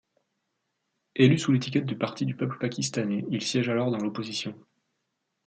Élu sous l'étiquette du Parti du peuple pakistanais, il siège alors dans l'opposition.